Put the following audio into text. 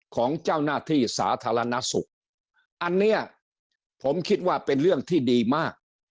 ของเจ้าหน้าที่สาธารณสุขอันเนี้ยผมคิดว่าเป็นเรื่องที่ดีมาก